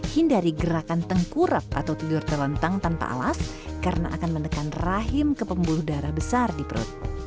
hindari gerakan tengkurap atau tidur terlentang tanpa alas karena akan menekan rahim ke pembuluh darah besar di perut